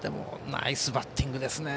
ナイスバッティングですね。